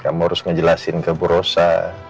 kamu harus ngejelasin ke bu rosa